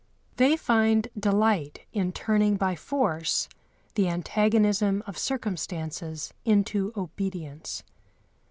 They find delight in turning by force the antagonism of circumstances into obedience.